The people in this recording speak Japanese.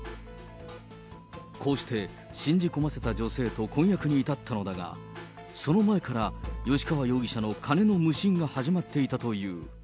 こうして信じ込ませた女性と婚約に至ったのだが、その前から吉川容疑者の金の無心が始まっていたという。